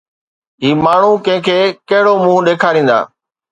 هي ماڻهو ڪنهن کي ڪهڙو منهن ڏيکاريندا؟